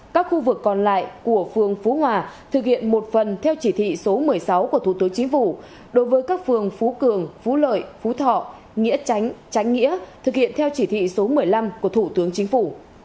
các khu vực còn lại của phường phú hòa thực hiện một phần theo chỉ thị số một mươi sáu của thủ tướng chính phủ đối với các phường phú cường phú lợi phú thọ nghĩa tránh tránh nghĩa thực hiện theo chỉ thị số một mươi năm của thủ tướng chính phủ